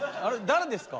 誰ですか？